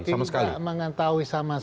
tidak mengetahui sama sekali